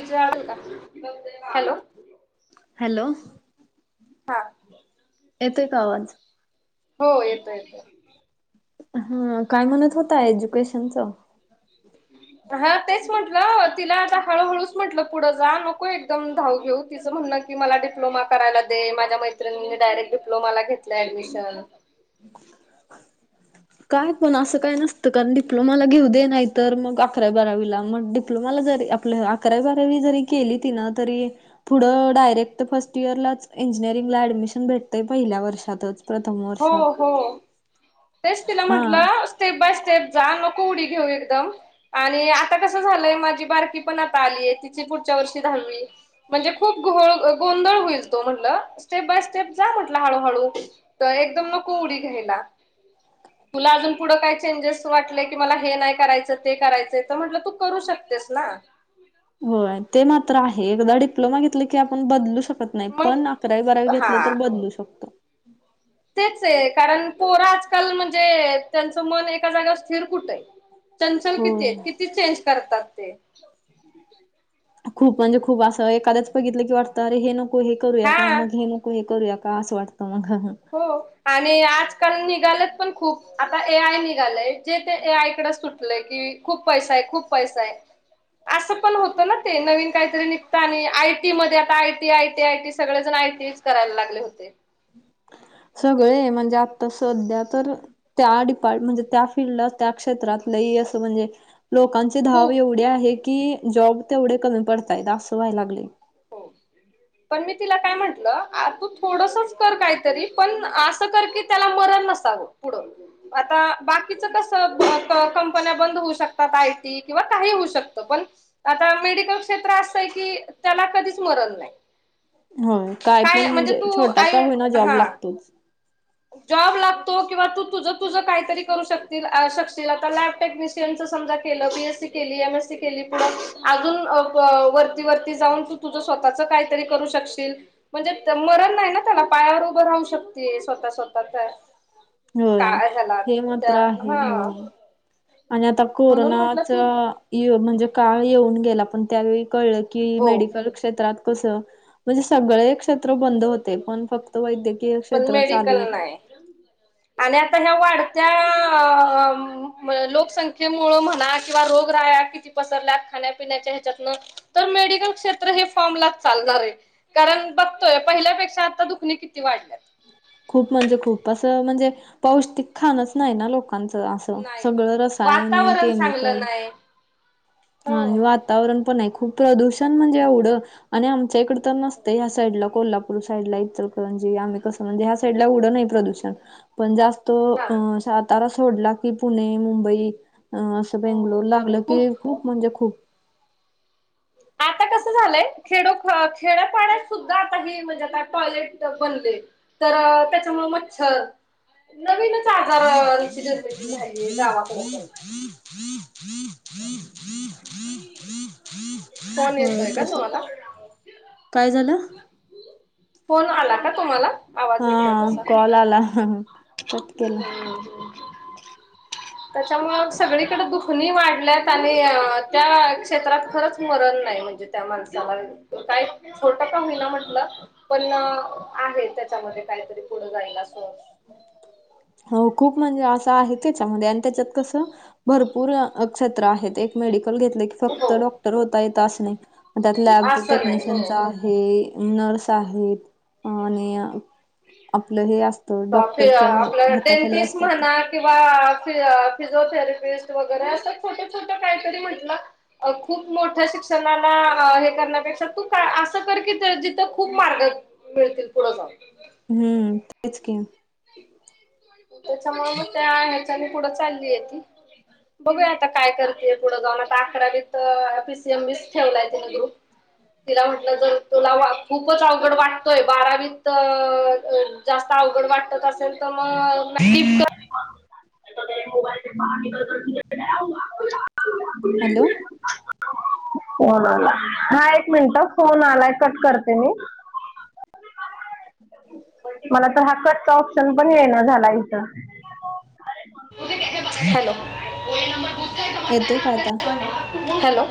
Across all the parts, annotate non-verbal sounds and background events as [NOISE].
[INAUDIBLE] Hello! Hello! हा येतोय का आवाज? हो येतोय येतोय हा काय म्हणत होता एज्युकेशनल? हम् [INAUDIBLE] हा तेच म्हंटलं तिला आता हळूहळूच म्हटलं पुढं जा, नको एकदम धाव घेऊ तिचं म्हणं की मला डिप्लोमा करायला दे माझ्या मैणित्रीनी डायरेक्ट डिप्लोमाला घेतलं ऍडमिशन काय पण असं काय नसतं कारण डिप्लोमाला घेऊ दे नाहीत तर मग अकरावी बारावीला मग डिप्लोमाला जरी आपलं अकरावी बारावी जरी केली तिनं तरी पुढं डायरेक्ट फस्ट इयरलाच इंजिनिअरिंगला ऍडमिशन भेटतंय पहिल्या वर्षातच प्रथम वर्ष हो हो तेच तिला म्हटलं स्टेप बाय स्टेप जा नको उडी घेऊ एकदम आणि आता कसं झालंय माझी बारकी पण आता आलीय तिची पुढच्या वर्षी दहावी म्हणजे खूप घोळ गोंधळ होईल, तो म्हटलं स्टेप बाय स्टेप जा म्हटलं हळूहळू तर एकदम नको उडी घ्यायला तुला अजून पुढं काय चेंजेस वाटले की मला हे नाय करायच ते करायचंय तर म्हटलं तू करू शकतेस ना? होय ते मात्र आहे एकदा डिप्लोमा घेतलं की आपण बदलू शकत नायी पण अकरावी बारावी मग घेतलं तर बदलू शकतो तेचय, कारण पोरं आजकाल म्हणजे त्यांचं मन एका जागेवर स्थिर कुठंय? चंचल कितीये, होय. किती चेंज करतात ते? खूप म्हणजे खूप असं एखाद्याच बघितलं की वाटतं अरे हे नको हे करूया हा का मग हे नको हे करूया का. का अस वाटत मग. हो आणि आजकाल निघालत पण खूप आता ए आय निघालय जे ते ए आय कडे सुट म्हटल की खूप पैसा आहे, खूप पैसा आहे. असं पण होतं ना ते नवीन काहीतरी निघता आणि आय टी मध्ये आता I T, I T, I T सगळेजण आटी करायला लागले होते. सगळे म्हणजे आता सध्या तर त्या डिपार्ट म्हणजे त्या फिल्डला त्या क्षेत्रात लई असं म्हणजे लोकांचे धाव खूप एवढे आहे की जॉब तेवढे कमी पडतायेत असं व्हायला लागले. हो. पण मी तिला काय म्हंटलं तू थोडस कर काहीतरी पण असं कर की त्याला मरण नसत. चांगल पुढ हो [UNINTELLIGIBLE] आता बाकीच कस कंपन्या बंद होऊ शकतात किंवा काही होऊ शकत पण आता मेडिकल क्षेत्र असय की त्याला कधीच मरण नाही. होय काय पण म्हणजे तू छोटा का आई होईना जॉब हा लागतोच. [INAUDIBLE] जॉब लागतो किंवा तुझ, तुझ काहीतरी करू शकते शकशील आता लॅब टेक्न पी एम च समजा केलं पी एस सी केली, एम एस सी केली पुढ अजून वरती, वरती जाऊन तू तुझ स्वतःच काहीतरी करू शकशील. म्हणजे मरण नाही ना त्याला पायावर उभं राहू शकते स्वतः, स्वतःच्या. होय, हे मात्र आहे, हा हो. आणि आता म्हणून म्हटलं कोरोनाच की येऊ म्हणजे काळ येऊन गेला पण त्यावेळी कळलं की हो मेडिकल क्षेत्रात कस म्हणजे सगळे क्षेत्र बंद होते पण फक्त वैद्यकीय पण क्षेत्र चालू मेडिकल होता. नाही आणि आता ह्या वाढत्या लोकसंख्येमुळं म्हणा किंवा रोग राया किती पसरल्यात खाण्यापिण्याच्या ह्याच्यातन. तर मेडिकल क्षेत्र हे फॉर्मलाच चालणार आहे कारण बघ तोय पहिल्यापेक्षा आता दुखणी किती वाढल्यात. खूप म्हणजे खूप असं म्हणजे पौष्टिक खाणच नाहीय ना लोक च असं नाही सगळं रसायने, वातावरण केमिकल चांगलं नाही हा हो आणि वातावरण पण आहे खूप प्रदूषण म्हणजे एवढं आणि आमच्या इकडं तर नसतेय या साईडला कोल्हापु पूर साईडला इचलकरंजी आम्ही कसं म्हणजे ह्या साईडला एवढ नाही प्रदूषण. पण जास्त हा अं सातारा सोडला की पुणे, मुंबई असं हो बेंगलोर लागलं की खूप म्हणजे खूप. आता कसं झालयं खेडो खेड्या पाड्यात सुद्धा आता हे म्हणजे आता टॉयलेट बनले. तर त्याच्यामुळे मच्छर नवीनच आजारांची निर्मिती झालीय गावाकड पण. [INAUDIBLE] आंटी [INAUDIBLE] फोन होय येतोय का तस तुम्हाला? काय झालं फोन आला का तुम्हाला? आवाज हा येतोय तसा? कॉल आला कट केला त्याच्यामुळं सगळीकड दुखणी वाढ ल्यात आणि त्या क्षेत्रात खरंच मरण नाही म्हणजे त्या माणसाला काय छोट का होईना म्हटलं, पण आहे त्याच्यामध्ये काहीतरी पुढे जायला असं. [INAUDIBLE] हो खूप म्हणजे असं आहे त्याच्यामध्ये आणि त्याच्यात कसं. भरपूर अक क्षेत्र आहेत एक मेडिकल घेतल की फक्त हो डॉक्टर होता येत असं नाही, त्यात लॅब असं नाही हो. टेक्निशियनचा आहे. हे नर्स आहेत, आणि, आपलं हे त डॉक्टरच्या आपलं हाताखाली डेंटिस्ट असतात ते. म्हणा किंवा फि फिजिओथेरपिस्ट वगैरे असं छोट छोट काहीतरी म्हंटल खूप मोठ्या शिक्षणाला हे करण्यापेक्षा तू का असं कर की जिथं खूप मार्ग मिळतील पुढ जाऊन. हम्म, तेच की. त्याच्यामुळ म त्या हेच्यान पुढं चाललीय ती. बघूया आता काय करतेय पुढं जाऊन आता अकरावीत पी सी एम बीच ठेवलाय तिन ग्रुप. तिला म्हटल जर तुला वा खूपच अवघड वाटतोय बारावीत अ जास्त अवघड वाटत असेल त मग, [UNINTELLIGIBLE] इथ ठेव मोबाईल. हॅलो [UNINTELLIGIBLE] फोन आला हा एक मिनट फोन आलाय कट करते मी. मला तर हा कटचा ऑप्शन पण येईना झाला इथं, हॅलो. येतोय का आता? हॅलो,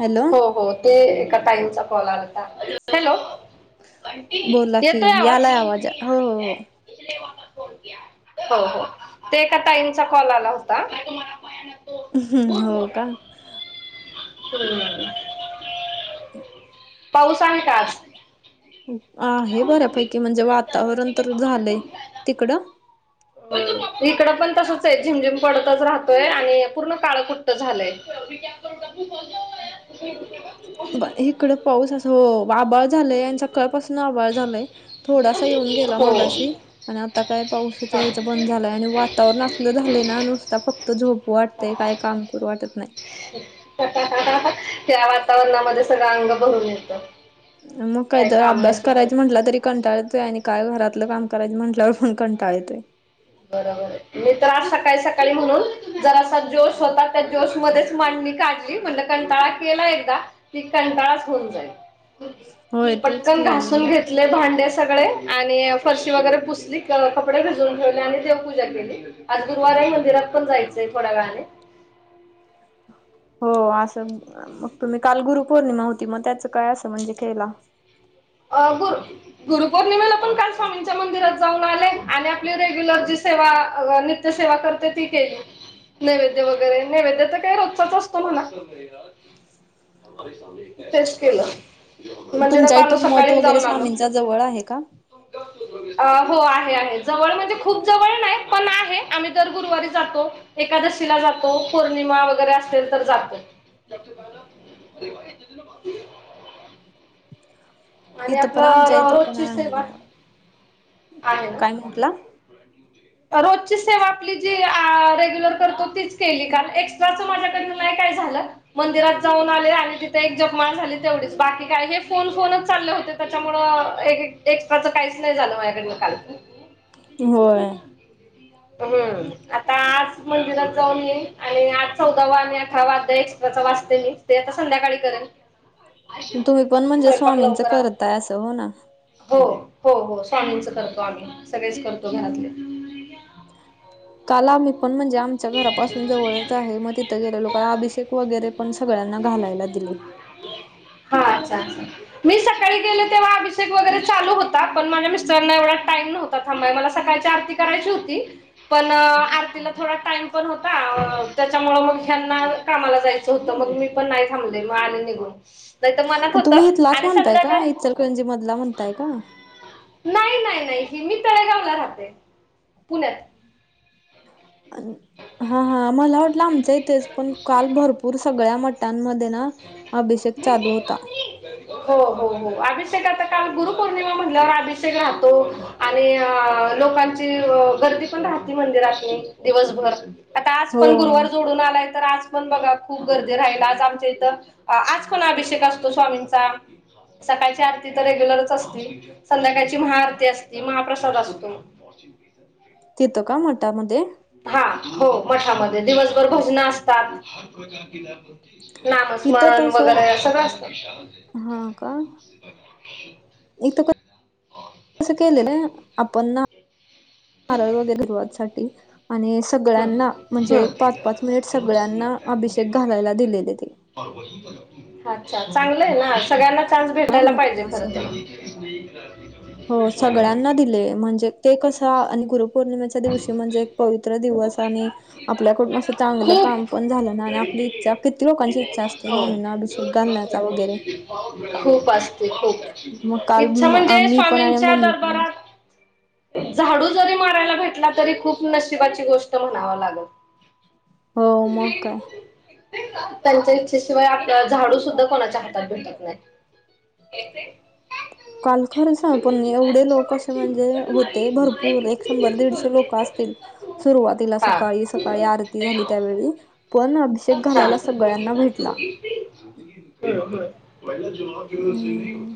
हॅलो हो हो. ते एका ताईचा कॉल आलता हॅलो. बोला की येतोय आवाज? यालाय हो हो हो. हो हो, ते एका ताईचा कॉल आला होता. हम्म हो का? हम्म, पाऊस आहे का आज? आहे बऱ्यापैकी म्हणजे वातावरण तर झालंय, तिकडं? [INAUDIBLE] अ इकड पण तसच आहे झिमझिम पडतच राहतोय आणि पूर्ण काळ कुट्ट झालंय. [UNINTELLIGIBLE] ब इकड पाऊस असं आभाळ झालाय आणि सकाळपासन आभाळ झालाय. थोडासा येऊन गेला मागाशी. आणि आता काय पाऊसाच हा. याच बंद झालय आणि वातावरण आसल झालय ना नुसता फ त झोप वाटतंय काय काम करू वाटत नाही. या वातावरणामध्ये सगळं अंग भरून येत. मग कायतर अभ्यास करायच म्हनला तरी कंटाळ येतोय आणि काय घरातलं काम करायं म्हटल्यावर पण कंटाळ येतोय. बरोबर आहे, मी तर आज सकाळी सकाळी म्हणून, जरासा जोश होता त्या जोशमध्येच मांडणी का ली म्हणल कंटाळा केला एकदा, की कंटाळाच होऊन जाईल. होय तेच पटकन की घासून मग घे ले भांडे सगळे आणि फरशी वगैरे पुसली कपडे भिजवून ठेव आणि देवपूजा केली, आज गुरुवार हाय मंदिरात पण जायचय थोड्यावेळाने. हो असन, मग तुम्ही काल गुरुपौर्णिमा होती म त्याचं काय अस म्हणजे केला? अ गुरु गुरुपौर्णिमेला पण काल स्वामींच्या मंदिरात जाऊन आले आणि आपली रेग्युलर जी सेवा इतर सेवा करते ती केली नैवेद्य वगैरे नैवेद्य तर काही रोजचाच असतो म्हणा. केलं तुमच्या इथून [INAUDIBLE] मठ वगैरे आलो स्वामींचा जवळ आहे का? [UNINTELLIGIBLE] अ हो आहे आहे जवळ म्हणजे खूप जवळ नाही पण आहे आम्ही दर गुरुवारी जातो. एकादशीला जातो पौर्णिमा वगैरे असेल तर जातो. [UNINTELLIGIBLE] [UNINTELLIGIBLE] [UNINTELLIGIBLE] आणि इथं आपल पण आमच्या इथं पण रोजची आहे सेवा. जवळ. आहे ना काय म्हंटला? रोजची सेवा. आपली जी रेग्युलर करतो तीच केली कारण एक्स्ट्राच माझ्याकड नाही काय झाल. मंदिरात जाऊन आले आणि तिथे एक जपमाळ झाली तेवढीच बाकी काय हे फोन फोनच चालले होते त्याच्यामुळ एक्स्ट्राच काहीच नाही झाल माझ्याकडन काल होय. हम्म आता आज मंदिरात जाऊन येईन आणि आज चौदावा आणि अठरावाअध्याय एक्स्ट्राचा वाचते. ते आता संध्याकाळी करल. तुम्हीपण म्हणजे स्वामींच आव करताय अस हो ना हो हो हो स्वामींच करतो आम्ही सगळेच करतो घरातले. काल आम्हीपण म्हणजे? त्याच्या घरापासून जवळच आहे मग तिथ गेलेलो काल अभिषेक वगैरे पण सगळ्यांना घालायला दिली. हा अच्छा अच्छा मी सकाळी गेले तेव्हा अभिषेक वगैरे चालू होता पण माझ्या मिस्टर एवढा टाइम नव्हता. थांबा मला सकाळची आरती करायची होती पण आरतीला थोड टाईम पण होता त्याच्यामुळ मग ह्यांना कामाला जायच होत मग मी पण नाही थांबले मग आले निघून नाही तर मनात मग तुम्ही होतं इथलाच आणि म्हणताय का संध्याकाळी इचरकरंजी मधला म्हणताय का? नाही नाही नाही मी तळेगावला राहते पुण्यात. हा हा मला वाटल आमच्या इथेच. पण काल भरपूर सगळ्या मठांमध्ये ना अभिषेक चालू होता. हो हो हो अभिषेकल आता काल गुरुपौर्णिमा म्हणल्यावर अभिषेक राहतो. आणि अ लोकांची गर्दी पण राहती मंदिरातनी दिवसभर. आता आज पण हो गुरुवार जोडून आलाय तर आज म बघा खूप गर्दीे राहील आज आमच्या इथ आज कोण अभिषेक असतो स्वामींचा. सकाळची आरती तर रेग्युलरच असती. संध्याकाळची महाआरती असती महाप्रसाद असतो. तिथ का मठामध्ये? हा हो मठामध्ये दिवसभर भजन असतात. इथं नामस्मरण तसं वगैरे सगळ असत. हा का. इथ पण अस केलेलय ना आपण नारळ वगैरे [INAUDIBLE] साठी आणि सगळ्यांना म्हणजे एक पाच पाच मिनिट सगळ्यांना अभिषेक घालायला दिलेलेत. अच्छा चांगलय ना सगळ्यांना चान्स हा भेटायला भक्त पाहिजे खर असं तर. हो नाही. [INAUDIBLE] हो सगळ्यांना दिले, म्हणजे ते कसं आणि गुरुपौर्णिमेच्या दिवशी म्हणजे एक पवित्र दिवस [INAUDIBLE] आणि आपल्याकडून असं चांगलं काम पण खूप झालं ना, आणि आपली इच्छा किती लोकांची इच्छा असते स्वामींना अभिषेक घालण्याचा वगैरे खूप असते खूप. मग काल इच्छा म्हणजे मी पण आणि स्वामींच्या मम्मी पण दरबारात झाडू जरी मारायला भेटला, तरी खूप नशिबाची गोष्ट म्हणाव लागल. हो म काय? त्यांच्या इच्छेशिवाय आपल्याला झाडू सुद्धा कोणाच्या हातात भेटत नाही. येते? काल खरंच हा पण एवढे लोक असे म्हणजे होते भरपूर एक शंभर दीडशे लोक असतील सुरुवातीला ला हा सकाळी सकाळी आरती झाली त्यावेळी, पण अभिषेक घालायला सगळ्यांना भेटला. ते हम्म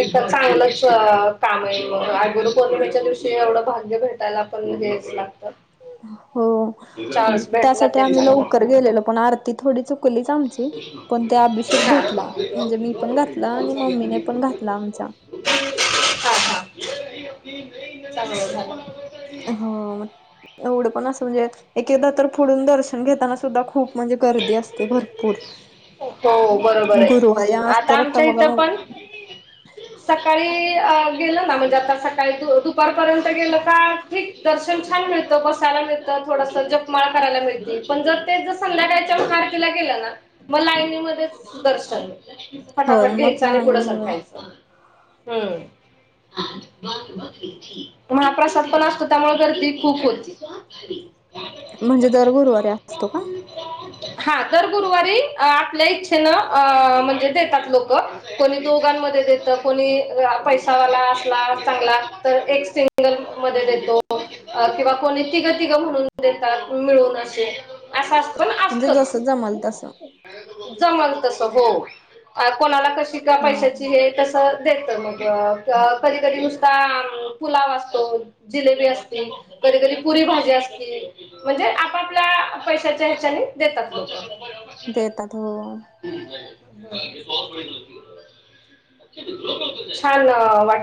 अ चांगलच अ काम आहे मग, आज गुरुपौर्णिमेच्या दिवशी एवढं भाग्य भेटायला मंग हेच लागत. हो. त्यासाठी आम्ही लवकर गेलेलो पण आरती थोडी चुकलीच आमची पण ते अभिषेक भेटला, म्हणजे मी पण घातला आणि मम्मीनेे पण घातला आमच्या. चांगल झालं. हो एवढं पण असं म्हणजे एक एकदा तर पुढून दर्शन घेताना सुद्धा खूप म्हणजे गर्दी असते भरपूर. हो बरोबर आहे, गुरुवारी आज आता तर आमच्या इथ बघा मग पण सकाळी अ गेलं ना म्हणजे आता सकाळी दुपारपर्यंत गेल का ठीक, दर्शन छान मिळत, बसायला मिळत, थोडस जपमाळ करायला मिळते पण जर तेच जर संध्याकाळच्या महाआरतीला गेल ना म लाईनी मध्येच दर्शन होय पटापट मग घ्यायच आणि पुढ नाही होय सरकायच, हम्म महाप्रसाद पण असतो, त्यामुळे गर्दी खूप होती. हरी म्हणजे दर गुरुवारी असतो का? हा दर गुरुवारी अ आपल्या इच्छेन अ म्हणजे देतात लोक कोणी दोघांमध्ये देत, कोणी पैसावाला असला चांगला तर एक सिंगल मध्ये देतो, किंवा कोणी तिघं-तिघ म्हणून देतात मिळून असे अस असत पण म्हणजे जस असतच जमल तस जमल तस हो, अ कोणाला कशी ह पैशाची हे तस तर देत मग, अ कधी-कधी नुसता म पुलाव असतो जिलेबी असते, कधी-कधी पुरी भाजी असते. म्हणजे आपापल्या पैशाच्या ह्याच्याने देतात बघ. देतात हो. छान रहाव वाटत